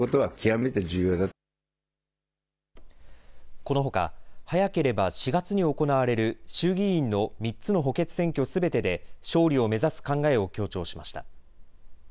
このほか早ければ４月に行われる衆議院の３つの補欠選挙すべてで勝利を目指す考えを強調しました。